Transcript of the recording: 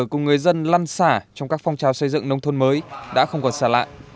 cùng người dân lăn xả trong các phong trào xây dựng nông thôn mới đã không còn xả lại